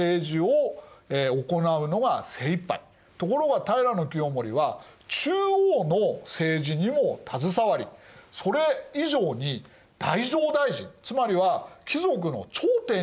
つまりところが平清盛は中央の政治にも携わりそれ以上に太政大臣つまりは貴族の頂点に立った。